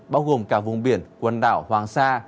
bao gồm cả vùng biển quần đảo hoàng sa